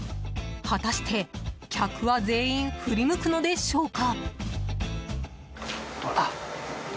果たして、客は全員振り向くのでしょうか？